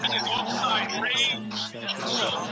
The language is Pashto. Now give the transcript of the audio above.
غوره مقامونه یوازي د لایقو خلګو په نصیب نه کېږي.